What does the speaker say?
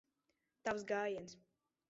Tavs gājiens.